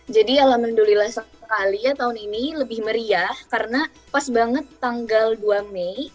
jadi alhamdulillah sekali ya tahun ini lebih meriah karena pas banget tanggal dua mei